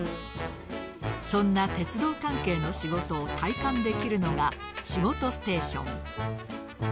そんな鉄道関係の仕事を体感できるのが仕事ステーション。